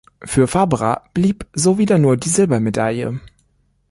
Für Fabra blieb so wieder nur die Silbermedaille.